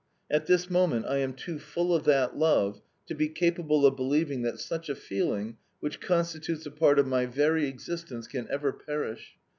At this moment I am too full of that love to be capable of believing that such a feeling (which constitutes a part of my very existence) can ever, perish.